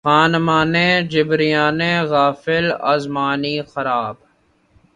خانمانِ جبریانِ غافل از معنی خراب!